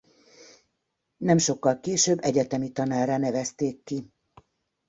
Nem sokkal később egyetemi tanárrá nevezték ki.